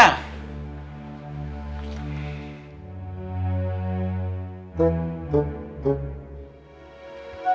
gua masih kagak yakin